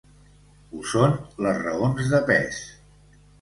Ho són les raons de pes.